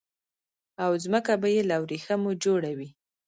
او ځمکه به يي له وريښمو جوړه وي